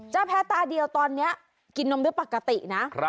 แพ้ตาเดียวตอนนี้กินนมด้วยปกตินะ